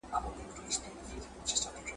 زموږ د بخت پر تندي ستوری دا منظور د کردګار دی ..